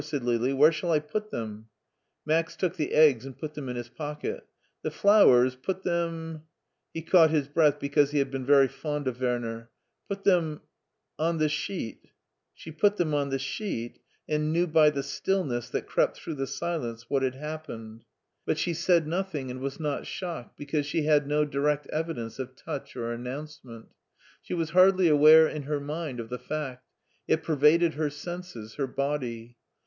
" said Lili ;" where shall I put them ?" Max took the eggs and put them in his pocket " The flowers — ^put them " he caught his breath because he had been very fond of Werner — "put them — on the sheet" She put them on the sheet, and knew by the stillness that crept through the silence what had happened, but she 74 MARTIN SCHULER said nothing, and was not shocked because she had no direct evidence of touch or announcement. She was hardly aware in her mind of the fact : it pervaded her senses, her body.